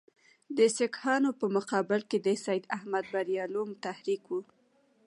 د سیکهانو په مقابل کې د سید احمدبرېلوي تحریک وو.